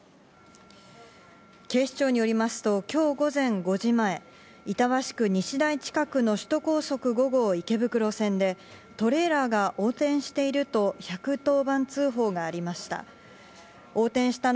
警視庁によりますと今日午前５時前、板橋区西台近くの首都高速５号池袋線でトレーラーが横転していると１１０番通報がありました。